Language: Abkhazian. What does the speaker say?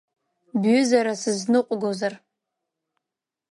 Бҩызара сызныҟәгозар?